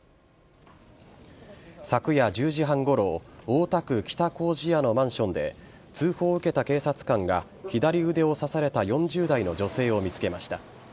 昨夜１０時半ごろ大田区北糀谷のマンションで通報を受けた警察官が左腕を刺された４０代の女性を見つけました。